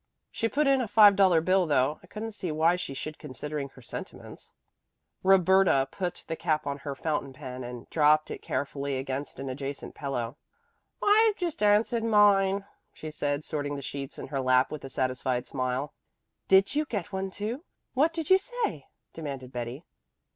She put in a five dollar bill, though I couldn't see why she should, considering her sentiments." Roberta put the cap on to her fountain pen and propped it carefully against an adjacent pillow. "I've just answered mine," she said, sorting the sheets in her lap with a satisfied smile. "Did you get one, too? What did you say?" demanded Betty.